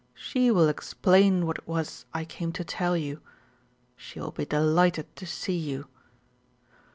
"She will explain what it was I came to tell you. She will be delighted to see you."